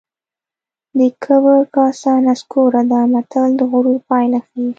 د کبر کاسه نسکوره ده متل د غرور پایله ښيي